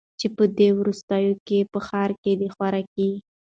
چي په دې وروستیو کي په ښار کي د خوراکي